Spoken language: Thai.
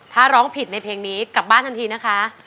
ถ้าร้องผิดในเพลงนี้กลับบ้านทันทีนะคะ